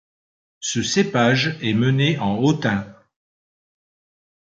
Ce cépage est mené en hautain.